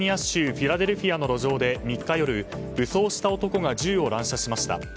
フィラデルフィアの路上で３日夜、武装した男が銃を乱射しました。